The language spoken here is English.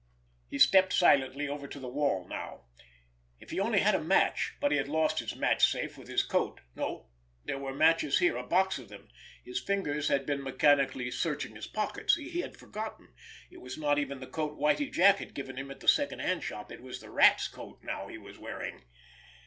He stepped silently over to the wall now. If he only had a match! But he had lost his match safe with his coat—no, there were matches here, a box of them—his fingers had been mechanically searching his pockets—he had forgotten—it was not even the coat Whitie Jack had given him at the second hand shop, it was the Rat's coat now he was wearing!